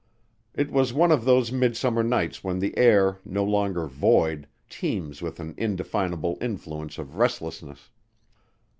It was one of those midsummer nights when the air, no longer void, teems with an indefinable influence of restlessness.